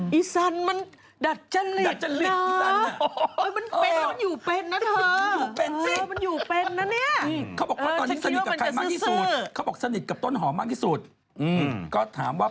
เพียใช้ได้แล้ว